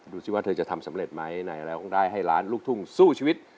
ดูสิว่าเธอจะทำสำเร็จไหมไหนร้องได้ให้ล้านลูกทุ่งสู้ชีวิต